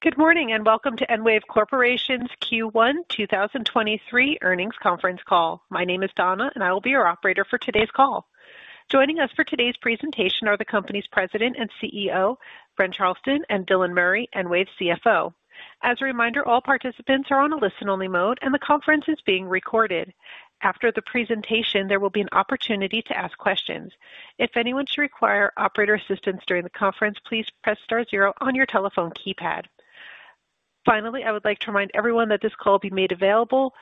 Good morning. Welcome to EnWave Corporation's Q1 2023 Earnings Conference Call. My name is Donna. I will be your operator for today's call. Joining us for today's presentation are the company's President and CEO, Brent Charleton, and Dylan Murray, EnWave's CFO. As a reminder, all participants are on a listen-only mode. The conference is being recorded. After the presentation, there will be an opportunity to ask questions. If anyone should require operator assistance during the conference, please press star zero on your telephone keypad. I would like to remind everyone that this call will be made available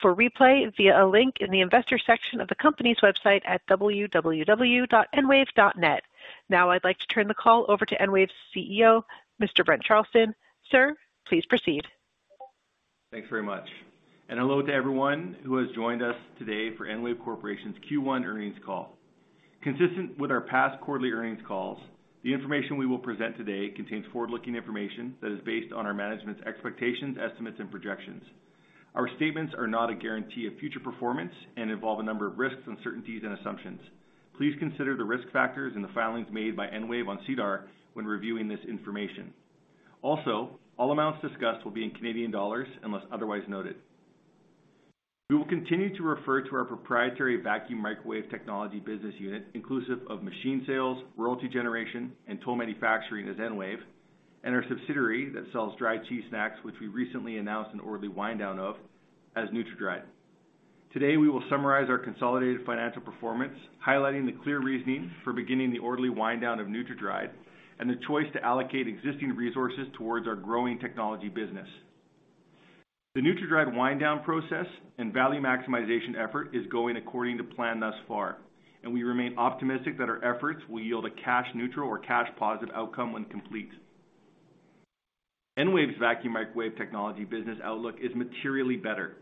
for replay via a link in the investor section of the company's website at www.enwave.net. I'd like to turn the call over to EnWave's CEO, Mr. Brent Charleton. Sir, please proceed. Thanks very much. Hello to everyone who has joined us today for EnWave Corporation's Q1 Earnings Call. Consistent with our past quarterly earnings calls, the information we will present today contains forward-looking information that is based on our management's expectations, estimates, and projections. Our statements are not a guarantee of future performance and involve a number of risks, uncertainties, and assumptions. Please consider the risk factors in the filings made by EnWave on SEDAR when reviewing this information. All amounts discussed will be in Canadian dollars unless otherwise noted. We will continue to refer to our proprietary vacuum microwave technology business unit, inclusive of machine sales, royalty generation, and toll manufacturing as EnWave, and our subsidiary that sells dried cheese snacks, which we recently announced an orderly wind down of, as NutraDried. Today, we will summarize our consolidated financial performance, highlighting the clear reasoning for beginning the orderly wind down of NutraDried and the choice to allocate existing resources towards our growing technology business. The NutraDried wind down process and value maximization effort is going according to plan thus far, and we remain optimistic that our efforts will yield a cash neutral or cash positive outcome when complete. EnWave's vacuum microwave technology business outlook is materially better.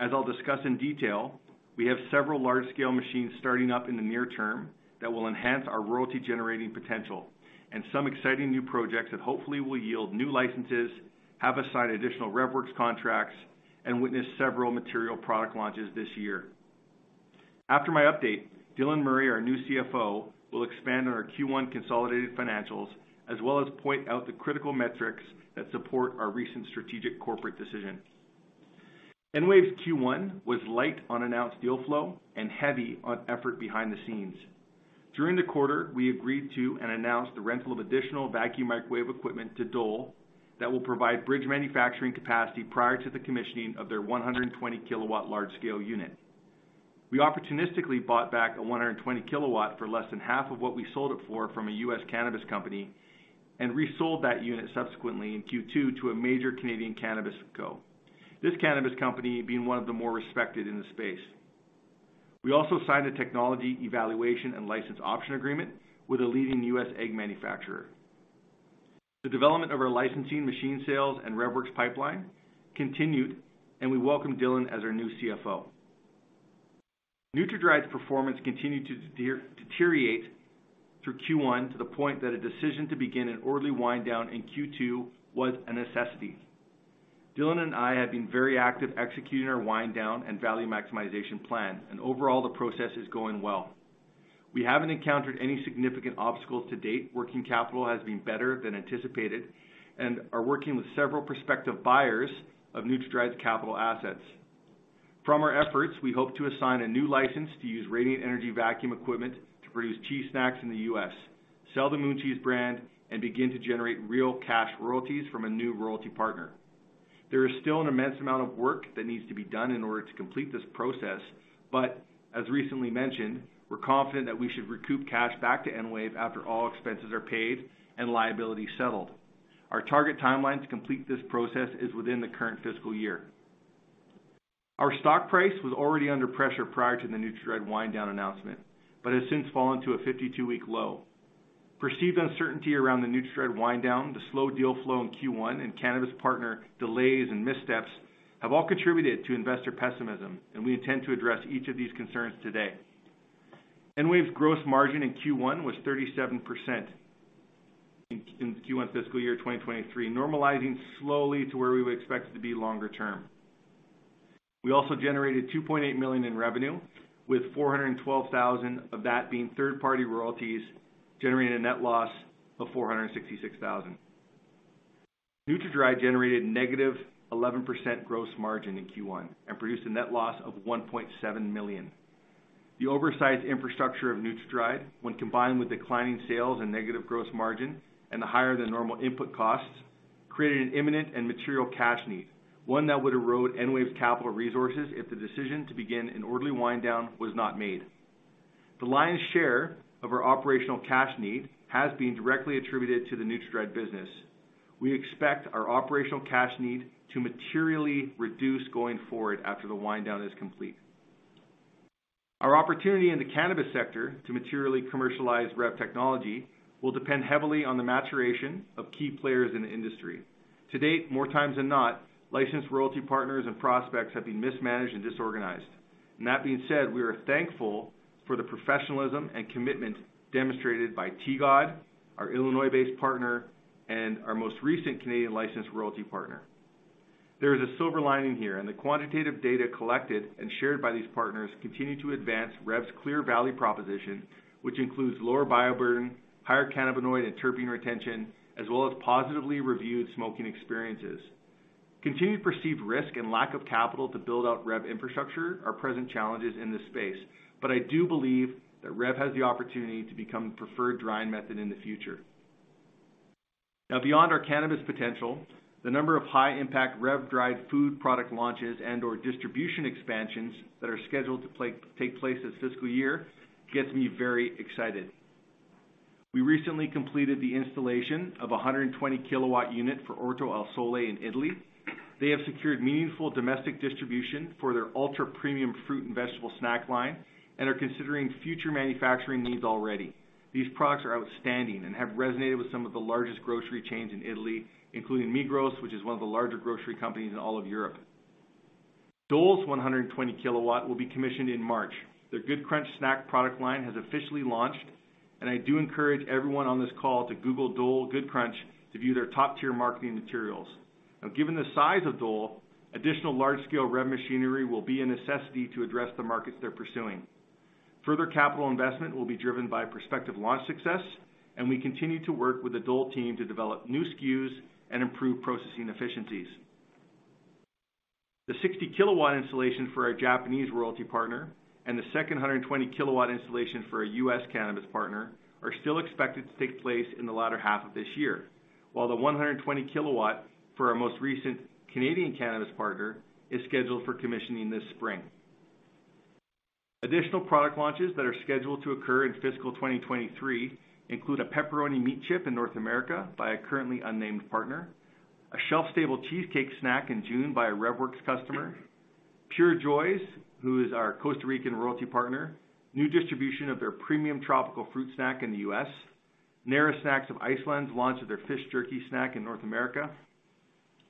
As I'll discuss in detail, we have several large-scale machines starting up in the near term that will enhance our royalty-generating potential and some exciting new projects that hopefully will yield new licenses, have us sign additional RevWorks contracts, and witness several material product launches this year. After my update, Dylan Murray, our new CFO, will expand on our Q1 consolidated financials, as well as point out the critical metrics that support our recent strategic corporate decision. EnWave's Q1 was light on announced deal flow and heavy on effort behind the scenes. During the quarter, we agreed to and announced the rental of additional vacuum microwave equipment to Dole that will provide bridge manufacturing capacity prior to the commissioning of their 120-kilowatt large-scale unit. We opportunistically bought back a 120 kilowatt for less than half of what we sold it for from a U.S. cannabis company, resold that unit subsequently in Q2 to a major Canadian cannabis co. This cannabis company being one of the more respected in the space. We also signed a technology evaluation and license option agreement with a leading U.S. egg manufacturer. The development of our licensing machine sales and RevWorks pipeline continued. We welcomed Dylan as our new CFO. NutraDried's performance continued to deteriorate through Q1 to the point that a decision to begin an orderly wind down in Q2 was a necessity. Dylan and I have been very active executing our wind down and value maximization plan. Overall the process is going well. We haven't encountered any significant obstacles to date. Working capital has been better than anticipated and are working with several prospective buyers of NutraDried's capital assets. From our efforts, we hope to assign a new license to use Radiant Energy Vacuum equipment to produce cheese snacks in the U.S., sell the Moon Cheese brand, and begin to generate real cash royalties from a new royalty partner. There is still an immense amount of work that needs to be done in order to complete this process, but as recently mentioned, we're confident that we should recoup cash back to EnWave after all expenses are paid and liability settled. Our target timeline to complete this process is within the current fiscal year. Our stock price was already under pressure prior to the NutraDried wind down announcement, but has since fallen to a 52-week low. Perceived uncertainty around the NutraDried wind down, the slow deal flow in Q1, and cannabis partner delays and missteps have all contributed to investor pessimism, and we intend to address each of these concerns today. EnWave's gross margin in Q1 was 37% in Q1 Fiscal Year 2023, normalizing slowly to where we would expect it to be longer term. We also generated 2.8 million in revenue, with 412,000 of that being third-party royalties, generating a net loss of 466,000. NutraDried generated -11% gross margin in Q1 and produced a net loss of 1.7 million. The oversized infrastructure of NutraDried, when combined with declining sales and negative gross margin and the higher than normal input costs, created an imminent and material cash need, one that would erode EnWave's capital resources if the decision to begin an orderly wind down was not made. The lion's share of our operational cash need has been directly attributed to the NutraDried business. We expect our operational cash need to materially reduce going forward after the wind down is complete. Our opportunity in the cannabis sector to materially commercialize REV technology will depend heavily on the maturation of key players in the industry. To date, more times than not, licensed royalty partners and prospects have been mismanaged and disorganized. That being said, we are thankful for the professionalism and commitment demonstrated by TGOD, our Illinois-based partner, and our most recent Canadian licensed royalty partner. There is a silver lining here, and the quantitative data collected and shared by these partners continue to advance REV's clear value proposition, which includes lower bioburden, higher cannabinoid and terpene retention, as well as positively reviewed smoking experiences. Continued perceived risk and lack of capital to build out REV infrastructure are present challenges in this space, but I do believe that REV has the opportunity to become the preferred drying method in the future. Beyond our cannabis potential, the number of high-impact REV dried food product launches and/or distribution expansions that are scheduled to take place this fiscal year gets me very excited. We recently completed the installation of a 120 kW unit for Orto al Sole in Italy. They have secured meaningful domestic distribution for their ultra-premium fruit and vegetable snack line and are considering future manufacturing needs already. These products are outstanding and have resonated with some of the largest grocery chains in Italy, including Migros, which is one of the larger grocery companies in all of Europe. Dole's 120 kW will be commissioned in March. Their Good Crunch snack product line has officially launched, and I do encourage everyone on this call to Google Dole Good Crunch to view their top-tier marketing materials. Given the size of Dole, additional large-scale REV machinery will be a necessity to address the markets they're pursuing. Further capital investment will be driven by prospective launch success. We continue to work with the Dole team to develop new SKUs and improve processing efficiencies. The 60 kilowatt installation for our Japanese royalty partner and the second 120 kilowatt installation for our U.S. cannabis partner are still expected to take place in the latter half of this year. The 120 kilowatt for our most recent Canadian cannabis partner is scheduled for commissioning this spring. Additional product launches that are scheduled to occur in fiscal 2023 include a pepperoni meat chip in North America by a currently unnamed partner, a shelf-stable cheesecake snack in June by a RevWorks customer, Pure Joy, who is our Costa Rican royalty partner, new distribution of their premium tropical fruit snack in the U.S. Næra Snacks of Iceland launch of their fish jerky snack in North America,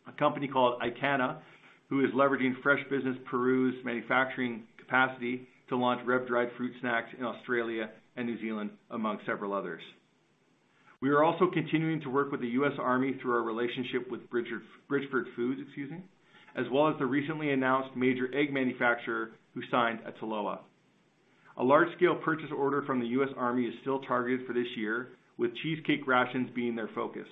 a company called Aitana, who is leveraging Fresh Business Peru's manufacturing capacity to launch REV dried fruit snacks in Australia and New Zealand, among several others. We are also continuing to work with the U.S. Army through our relationship with Bridgeport Foods, excuse me, as well as the recently announced major egg manufacturer who signed at Solowa. A large-scale purchase order from the U.S. Army is still targeted for this year, with cheesecake rations being their focus.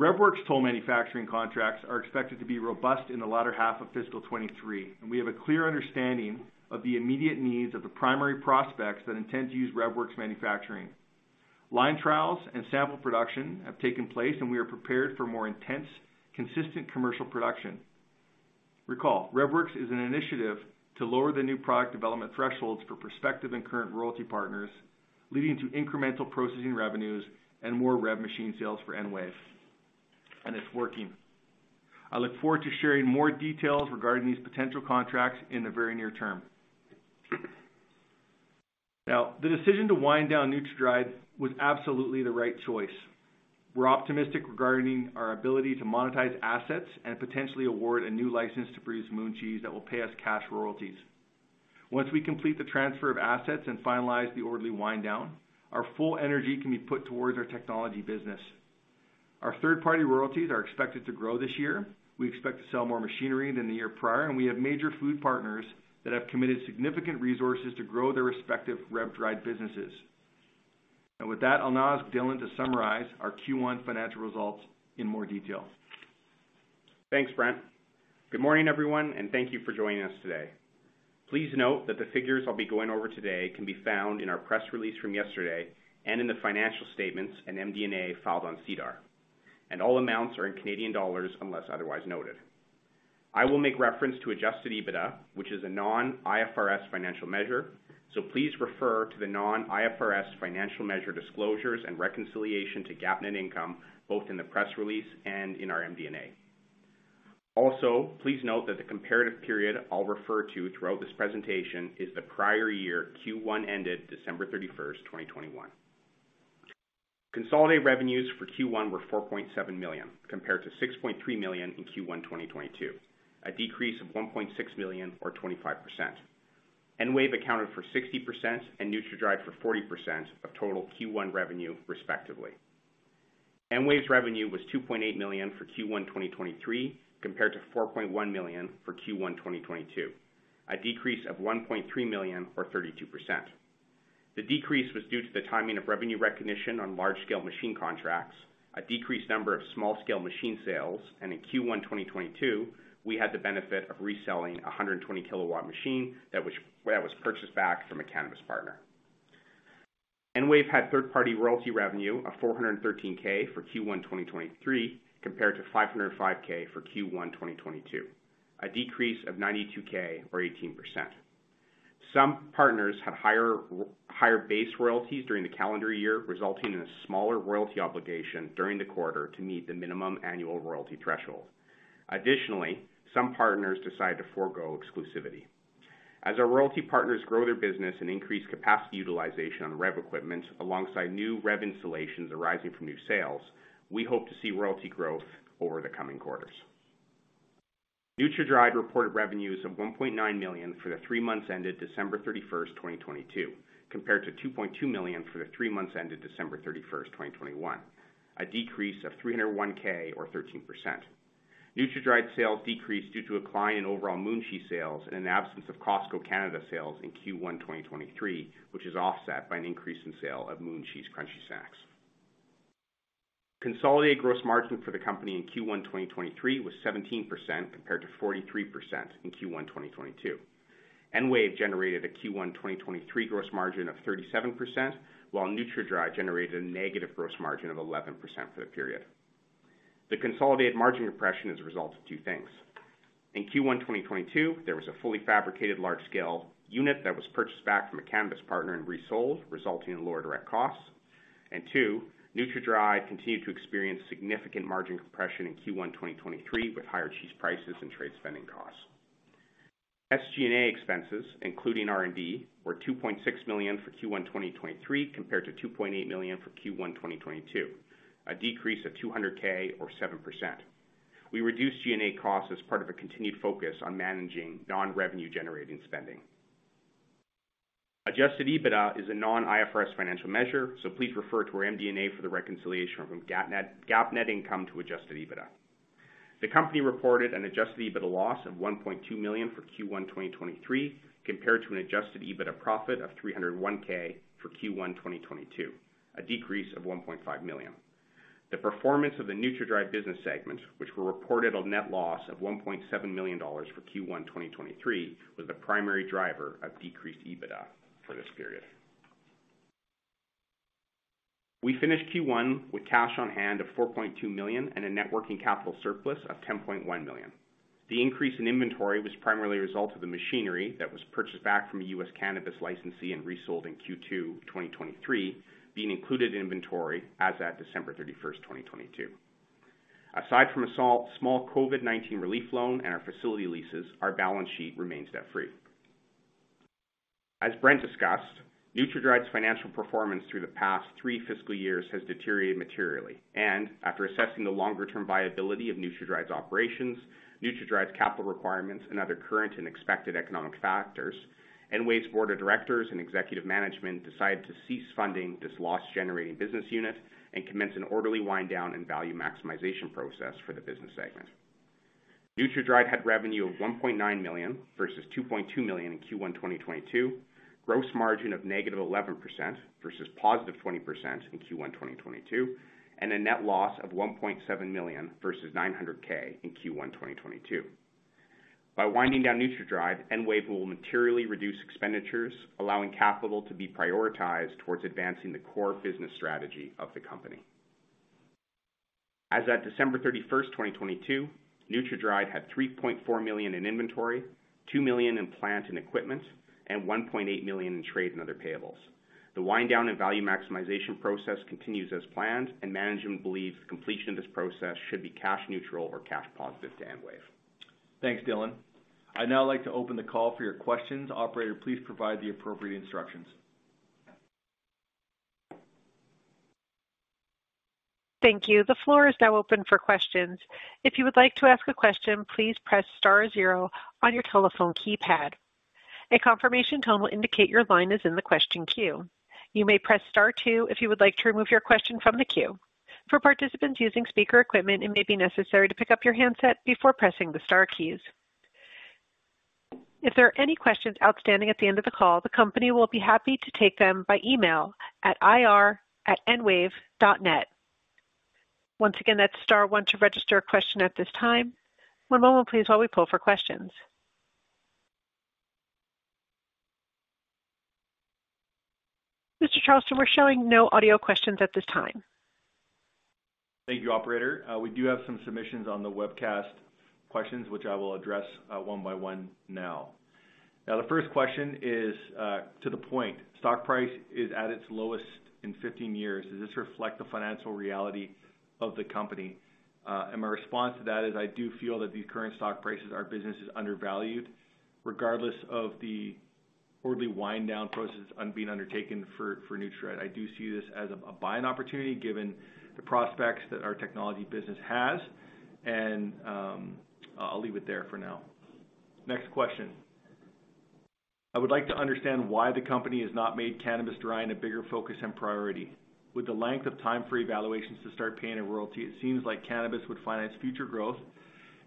RevWorks toll manufacturing contracts are expected to be robust in the latter half of fiscal 23, and we have a clear understanding of the immediate needs of the primary prospects that intend to use RevWorks manufacturing. Line trials and sample production have taken place, and we are prepared for more intense, consistent commercial production. Recall, RevWorks is an initiative to lower the new product development thresholds for prospective and current royalty partners, leading to incremental processing revenues and more REV machine sales for EnWave, and it's working. I look forward to sharing more details regarding these potential contracts in the very near term. Now, the decision to wind down NutraDried was absolutely the right choice. We're optimistic regarding our ability to monetize assets and potentially award a new license to Breeze Moon Cheese that will pay us cash royalties. Once we complete the transfer of assets and finalize the orderly wind down, our full energy can be put towards our technology business. Our third-party royalties are expected to grow this year. We expect to sell more machinery than the year prior, and we have major food partners that have committed significant resources to grow their respective REV dried businesses. With that, I'll now ask Dylan to summarize our Q1 Financial Results in more detail. Thanks, Brent. Good morning, everyone, thank you for joining us today. Please note that the figures I'll be going over today can be found in our press release from yesterday and in the financial statements and MD&A filed on SEDAR. All amounts are in CAD unless otherwise noted. I will make reference to adjusted EBITDA, which is a non-IFRS financial measure, so please refer to the non-IFRS financial measure disclosures and reconciliation to GAAP net income, both in the press release and in our MD&A. Also, please note that the comparative period I'll refer to throughout this presentation is the prior year Q1 ended December 31, 2021. Consolidated revenues for Q1 were 4.7 million, compared to 6.3 million in Q1 2022, a decrease of 1.6 million or 25%. EnWave accounted for 60% and NutraDried for 40% of total Q1 revenue, respectively. EnWave's revenue was 2.8 million for Q1 2023, compared to 4.1 million for Q1 2022, a decrease of 1.3 million or 32%. The decrease was due to the timing of revenue recognition on large-scale machine contracts, a decreased number of small-scale machine sales, and in Q1 2022, we had the benefit of reselling a 120 kilowatt machine that was purchased back from a cannabis partner. EnWave had third-party royalty revenue of 413K for Q1 2023, compared to 505K for Q1 2022, a decrease of 92K or 18%. Some partners have higher base royalties during the calendar year, resulting in a smaller royalty obligation during the quarter to meet the minimum annual royalty threshold. Additionally, some partners decide to forgo exclusivity. As our royalty partners grow their business and increase capacity utilization on REV equipment alongside new REV installations arising from new sales, we hope to see royalty growth over the coming quarters. NutraDried reported revenues of 1.9 million for the three months ended December 31st, 2022, compared to 2.2 million for the three months ended December 31st, 2021. A decrease of 301K or 13%. NutraDried sales decreased due to a decline in overall Moon Cheese sales and an absence of Costco Canada sales in Q1 2023, which is offset by an increase in sale of Moon Cheese crunchy snacks. Consolidated gross margin for the company in Q1 2023 was 17% compared to 43% in Q1 2022. EnWave generated a Q1 2023 gross margin of 37%, while NutraDried generated a negative gross margin of 11% for the period. The consolidated margin compression is a result of two things. In Q1 2022, there was a fully fabricated large-scale unit that was purchased back from a cannabis partner and resold, resulting in lower direct costs. Two, NutraDried continued to experience significant margin compression in Q1 2023 with higher cheese prices and trade spending costs. SG&A expenses, including R&D, were 2.6 million for Q1 2023 compared to 2.8 million for Q1 2022, a decrease of 200K or 7%. We reduced G&A costs as part of a continued focus on managing non-revenue generating spending. Adjusted EBITDA is a non-IFRS financial measure. Please refer to our MD&A for the reconciliation from GAAP net income to adjusted EBITDA. The company reported an adjusted EBITDA loss of 1.2 million for Q1 2023, compared to an adjusted EBITDA profit of 301 thousand for Q1 2022, a decrease of 1.5 million. The performance of the NutraDried business segment, which were reported a net loss of 1.7 million dollars for Q1 2023, was the primary driver of decreased EBITDA for this period. We finished Q1 with cash on hand of 4.2 million and a net working capital surplus of 10.1 million. The increase in inventory was primarily a result of the machinery that was purchased back from a U.S. cannabis licensee and resold in Q2 2023 being included in inventory as at December 31st, 2022. Aside from a small COVID-19 relief loan and our facility leases, our balance sheet remains debt-free. As Brent discussed, NutraDried's financial performance through the past three fiscal years has deteriorated materially. After assessing the longer-term viability of NutraDried's operations, NutraDried's capital requirements, and other current and expected economic factors, EnWave's board of directors and executive management decided to cease funding this loss-generating business unit and commence an orderly wind down and value maximization process for the business segment. NutraDried had revenue of 1.9 million versus 2.2 million in Q1 2022, gross margin of -11% versus +20% in Q1 2022, and a net loss of 1.7 million versus 900K in Q1 2022. By winding down NutraDried, EnWave will materially reduce expenditures, allowing capital to be prioritized towards advancing the core business strategy of the company. As at December 31st, 2022, NutraDried had 3.4 million in inventory, 2 million in plant and equipment, and 1.8 million in trade and other payables. The wind down and value maximization process continues as planned, and management believes completion of this process should be cash neutral or cash positive to EnWave. Thanks, Dylan. I'd now like to open the call for your questions. Operator, please provide the appropriate instructions. Thank you. The floor is now open for questions. If you would like to ask a question, please press star zero on your telephone keypad. A confirmation tone will indicate your line is in the question queue. You may press Star two if you would like to remove your question from the queue. For participants using speaker equipment, it may be necessary to pick up your handset before pressing the star keys. If there are any questions outstanding at the end of the call, the company will be happy to take them by email at ir@enwave.net. Once again, that's star one to register a question at this time. One moment please while we poll for questions. Mr. Charleton, we're showing no audio questions at this time. Thank you, operator. We do have some submissions on the webcast questions, which I will address one by one now. The first question is to the point. Stock price is at its lowest in 15 years. Does this reflect the financial reality of the company? My response to that is I do feel that the current stock prices, our business is undervalued regardless of the orderly wind down process on being undertaken for Nutra. I do see this as a buying opportunity given the prospects that our technology business has, I'll leave it there for now. Next question. I would like to understand why the company has not made cannabis drying a bigger focus and priority. With the length of time for evaluations to start paying a royalty, it seems like cannabis would finance future growth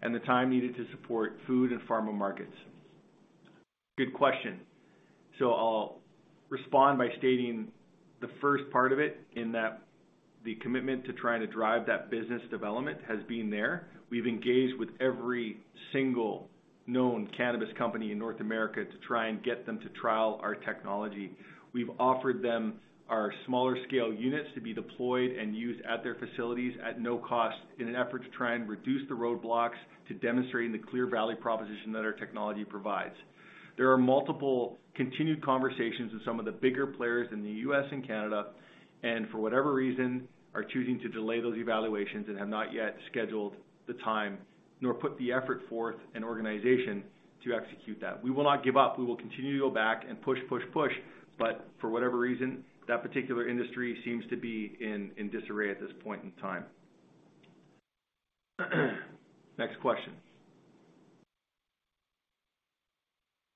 and the time needed to support food and pharma markets. Good question. I'll respond by stating the first part of it in that the commitment to trying to drive that business development has been there. We've engaged with every single known cannabis company in North America to try and get them to trial our technology. We've offered them our smaller scale units to be deployed and used at their facilities at no cost in an effort to try and reduce the roadblocks to demonstrating the clear value proposition that our technology provides. There are multiple continued conversations with some of the bigger players in the U.S. and Canada, and for whatever reason, are choosing to delay those evaluations and have not yet scheduled the time nor put the effort forth and organization to execute that. We will not give up. We will continue to go back and push, push, but for whatever reason, that particular industry seems to be in disarray at this point in time. Next question.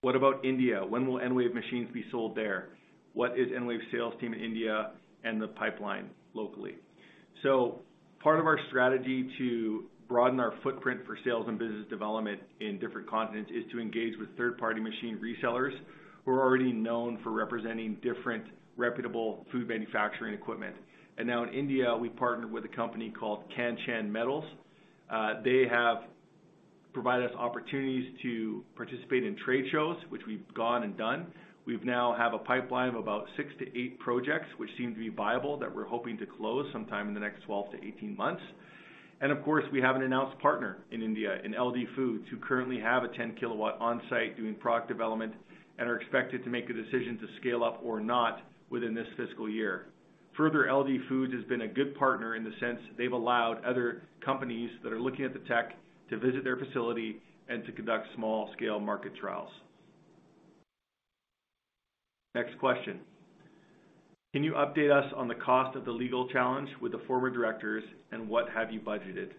What about India? When will EnWave machines be sold there? What is EnWave sales team in India and the pipeline locally? Part of our strategy to broaden our footprint for sales and business development in different continents is to engage with third-party machine resellers who are already known for representing different reputable food manufacturing equipment. Now in India, we partnered with a company called Kanchan Metals. They have provided us opportunities to participate in trade shows, which we've gone and done. We've now have a pipeline of about 6 to 8 projects, which seem to be viable, that we're hoping to close sometime in the next 12 to 18 months. We have an announced partner in India, in LD Food, who currently have a 10 kW on-site doing product development and are expected to make a decision to scale up or not within this fiscal year. Further, LD Food has been a good partner in the sense they've allowed other companies that are looking at the tech to visit their facility and to conduct small scale market trials. Next question. Can you update us on the cost of the legal challenge with the former directors and what have you budgeted?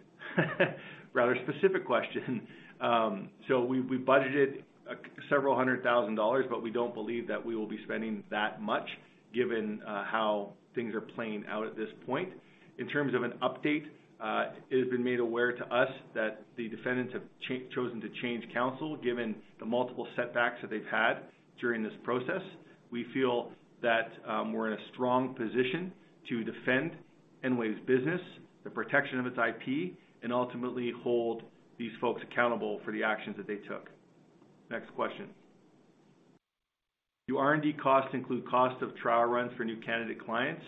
Rather specific question. We budgeted several hundred thousand CAD, but we don't believe that we will be spending that much given how things are playing out at this point. In terms of an update, it has been made aware to us that the defendants have chosen to change counsel given the multiple setbacks that they've had during this process. We feel that we're in a strong position to defend EnWave's business, the protection of its IP, and ultimately hold these folks accountable for the actions that they took. Next question. Do R&D costs include costs of trial runs for new candidate clients?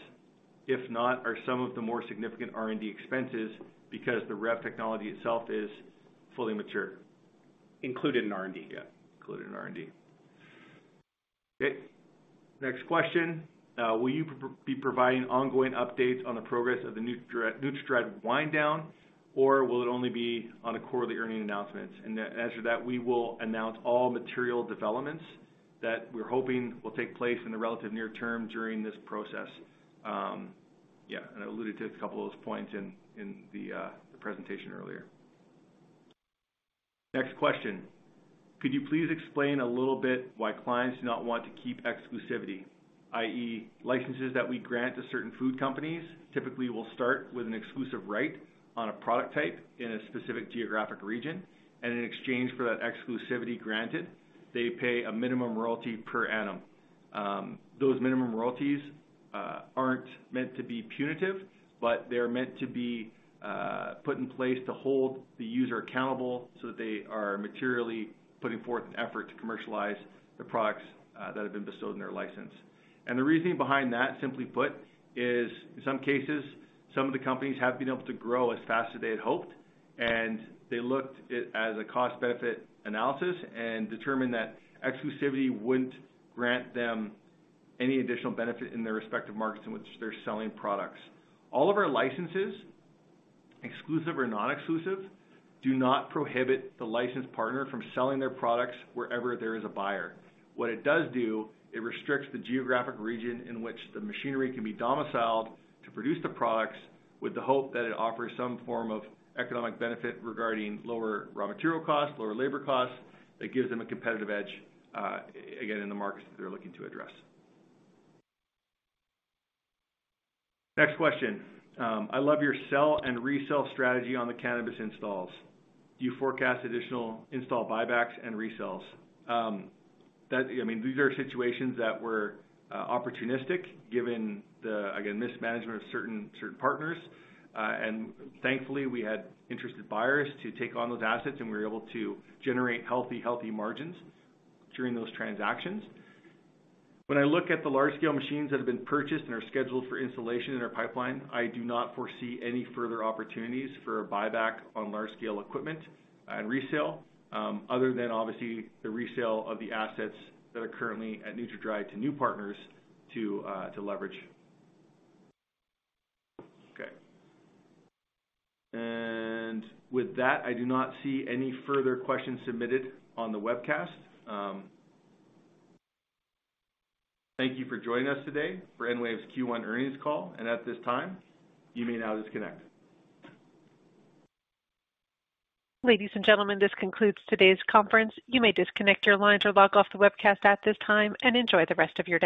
If not, are some of the more significant R&D expenses because the REV technology itself is fully mature? Included in R&D, yeah. Included in R&D. Okay, next question. Will you be providing ongoing updates on the progress of the NutraDried wind down, or will it only be on a quarterly earnings announcement? The answer to that, we will announce all material developments that we're hoping will take place in the relative near term during this process. I alluded to a couple of those points in the presentation earlier. Next question. Could you please explain a little bit why clients do not want to keep exclusivity, i.e., licenses that we grant to certain food companies typically will start with an exclusive right on a product type in a specific geographic region, and in exchange for that exclusivity granted, they pay a minimum royalty per annum. Those minimum royalties aren't meant to be punitive, but they're meant to be put in place to hold the user accountable so that they are materially putting forth an effort to commercialize the products that have been bestowed in their license. The reasoning behind that, simply put, is in some cases, some of the companies have been able to grow as fast as they had hoped, and they looked it as a cost benefit analysis and determined that exclusivity wouldn't grant them any additional benefit in their respective markets in which they're selling products. All of our licenses, exclusive or non-exclusive, do not prohibit the licensed partner from selling their products wherever there is a buyer. What it does do, it restricts the geographic region in which the machinery can be domiciled to produce the products with the hope that it offers some form of economic benefit regarding lower raw material costs, lower labor costs. It gives them a competitive edge, again, in the markets that they're looking to address. Next question. I love your sell and resell strategy on the cannabis installs. Do you forecast additional install buybacks and resells? I mean, these are situations that were opportunistic given the mismanagement of certain partners. Thankfully, we had interested buyers to take on those assets, and we were able to generate healthy margins during those transactions. When I look at the large scale machines that have been purchased and are scheduled for installation in our pipeline, I do not foresee any further opportunities for a buyback on large scale equipment and resale, other than obviously the resale of the assets that are currently at NutraDried to new partners to leverage. Okay. With that, I do not see any further questions submitted on the webcast. Thank you for joining us today for EnWave's Q1 earnings call. At this time, you may now disconnect. Ladies and gentlemen, this concludes today's conference. You may disconnect your lines or log off the webcast at this time and enjoy the rest of your day.